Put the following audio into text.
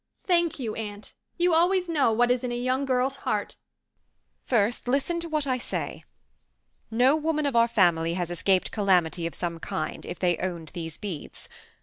Thank you, aunt. You always know what is in a young girl's heart." "First, listen to what I say. No woman of our family has escaped calamity of some kind, if they owned these beads.